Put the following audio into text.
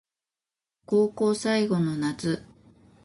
高校最後の夏